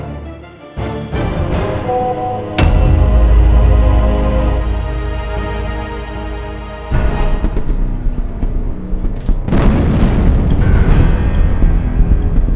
lweg di belakang